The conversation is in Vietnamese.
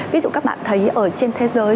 ví dụ các bạn thấy ở trên thế giới